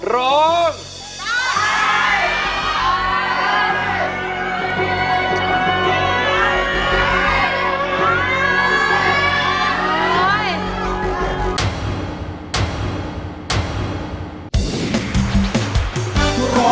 ร้อง